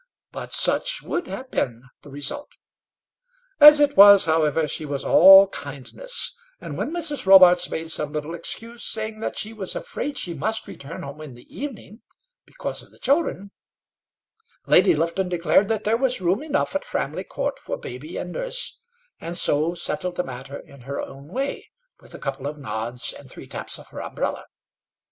But such would have been the result. As it was, however, she was all kindness; and when Mrs. Robarts made some little excuse, saying that she was afraid she must return home in the evening, because of the children, Lady Lufton declared that there was room enough at Framley Court for baby and nurse, and so settled the matter in her own way, with a couple of nods and three taps of her umbrella.